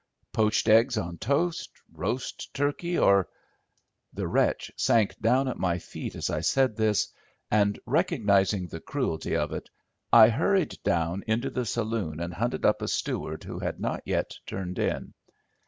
Poached eggs on toast, roast turkey, or—" The wretch sank down at my feet as I said this, and, recognising the cruelty of it, I hurried down into the saloon and hunted up a steward who had not yet turned in.